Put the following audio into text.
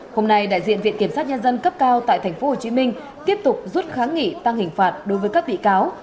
hôm nay đại diện viện kiểm sát nhân dân cấp cao tại tp hcm tiếp tục rút kháng nghị tăng hình phạt đối với các bị cáo